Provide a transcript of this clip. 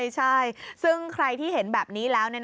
ใช่ซึ่งใครที่เห็นแบบนี้แล้ว